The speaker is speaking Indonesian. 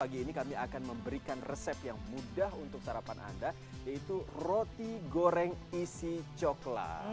pagi ini kami akan memberikan resep yang mudah untuk sarapan anda yaitu roti goreng isi coklat